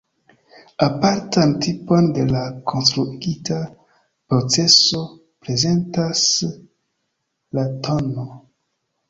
Apartan tipon de la konstruigita proceso prezentas la tn.